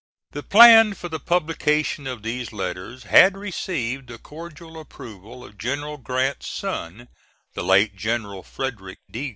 The plan for the publication of these letters had received the cordial approval of General Grant's son, the late General Frederick D.